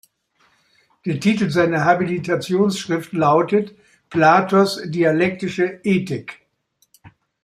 Der Titel seiner Habilitationsschrift lautet: "Platos dialektische Ethik.